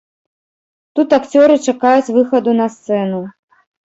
Тут акцёры чакаюць выхаду на сцэну.